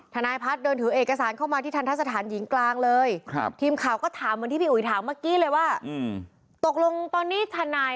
ทนายพัฒน์มาแล้วเนี่ยเห็นมั้ย